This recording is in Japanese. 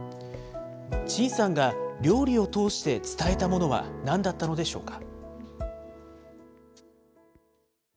陳さんが料理を通して伝えたものはなんだったのでしょうか。